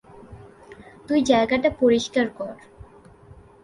তুই জায়গাটা পরিষ্কার কর।